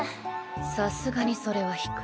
さすがにそれはひく。